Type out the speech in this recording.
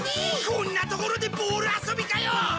こんなところでボール遊びかよ！